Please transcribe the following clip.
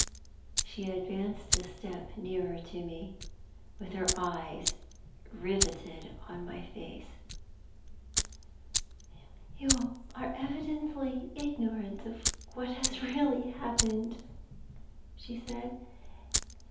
She advanced a step nearer to me, with her eyes riveted on my face. "You are evidently ignorant of what has really happened," she said.